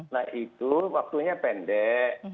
nah itu waktunya pendek